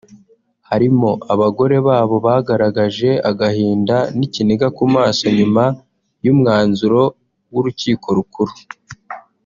harimo abagore babo bagaragaje agahinda n’ikiniga ku maso nyuma y’umwanzuro w’Urukiko Rukuru